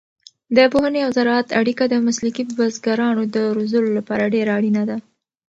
د پوهنې او زراعت اړیکه د مسلکي بزګرانو د روزلو لپاره ډېره اړینه ده.